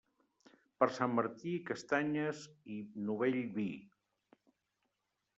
Per Sant Martí, castanyes i novell vi.